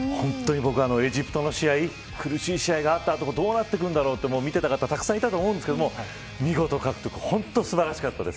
エジプトの試合苦しい試合があった後どうなっていくんだろうと見ていた方もたくさんいたと思うんですが見事に勝って本当に素晴らしかったです。